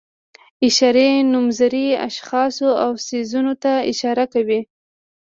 اشاري نومځري اشخاصو او څیزونو ته اشاره کوي.